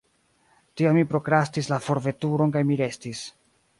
Tial mi prokrastis la forveturon kaj mi restis.